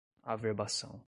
averbação